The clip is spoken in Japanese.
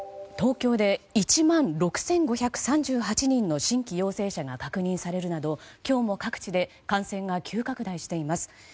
東京で１万６５３８人の新規陽性者が確認されるなど今日も各地で感染が急拡大しています。